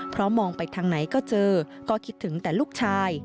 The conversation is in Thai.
เพราะมองไปทางไหนก็เจอก็คิดถึงแต่ลูกชาย